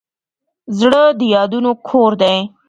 زړه د یادونو کور دی.